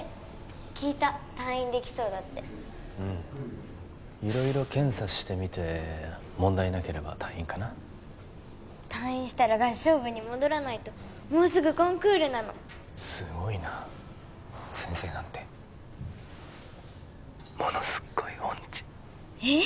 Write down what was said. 聞いた退院できそうだってうん色々検査してみて問題なければ退院かな退院したら合唱部に戻らないともうすぐコンクールなのすごいな先生なんてものすっごい音痴えっ！？